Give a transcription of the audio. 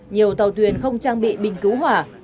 nhiều tàu thuyền không trang bị bình cứu hỏa